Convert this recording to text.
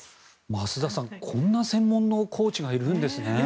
増田さんこんな専門のコーチがいるんですね。